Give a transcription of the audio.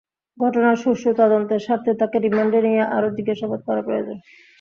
ঘটনার সুষ্ঠু তদন্তের স্বার্থে তাঁকে রিমান্ডে নিয়ে আরও জিজ্ঞাসাবাদ করা প্রয়োজন।